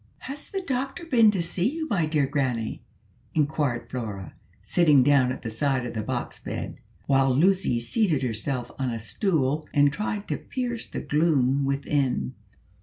"Has the doctor been to see you, my dear granny?" inquired Flora, sitting down at the side of the box bed, while Lucy seated herself on a stool and tried to pierce the gloom within.